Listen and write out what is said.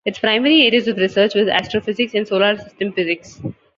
Its primary areas of research was astrophysics and solar system physics.